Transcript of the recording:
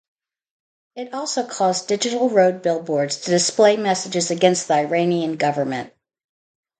It also caused digital road billboards to display messages against the Iranian Government.